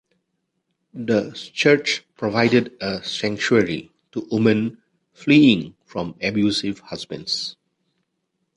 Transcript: The church provided a sanctuary to women fleeing from abusive husbands.